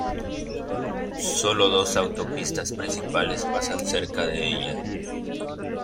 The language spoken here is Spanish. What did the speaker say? Solo dos autopistas principales pasan cerca de ella.